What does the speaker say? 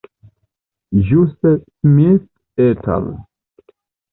Ĵuse Smith et al.